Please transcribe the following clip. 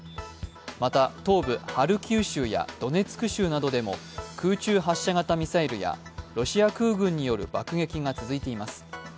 また東部ハルキウ州やドネツク州などでも空中発射型ミサイルやロシア空軍による爆撃が続いています。